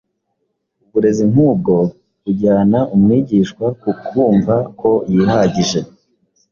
Uburezi nk’ubwo bujyana umwigishwa ku kumva ko yihagije,